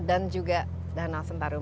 dan juga danau sentarum